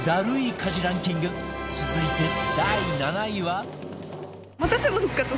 家事ランキング続いて第７位は